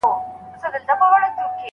آیا علم تر عقیدې بدلېدونکی دی؟